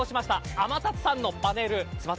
天達さんのパネル